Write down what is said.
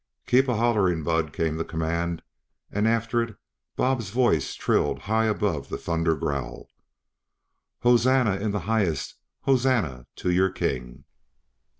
"Keep a hollering, Bud!" came the command, and after it Bob's voice trilled high above the thunder growl: "Hosanna in the high est. Hosanna to your King!"